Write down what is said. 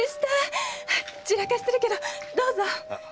散らかしてるけどどうぞ！